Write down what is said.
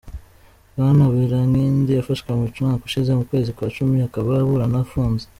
Bwana Birinkindi yafashwe mu mwaka ushize mu kwezi kwa cumi, akaba aburana afunze.